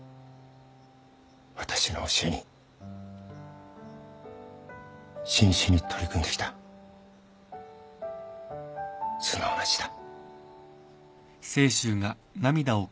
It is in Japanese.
私の教えに真摯に取り組んできた素直な字だ。